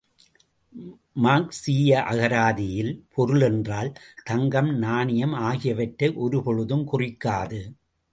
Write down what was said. மார்க்சீய அகராதியில் பொருள் என்றால் தங்கம் நாணயம் ஆகியவற்றை ஒரு பொழுதும் குறிக்காது.